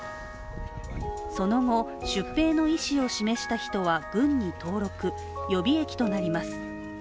その後、出兵の意思を示した人は軍に登録予備役となります。